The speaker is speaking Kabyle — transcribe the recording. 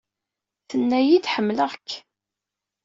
Tenna-iyi-d Ḥemmleɣ-k.